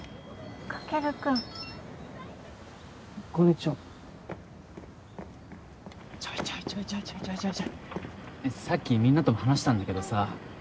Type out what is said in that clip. カケル君茜ちゃんちょいちょいちょいちょいちょいちょいちょいちょいさっきみんなとも話したんだけどさ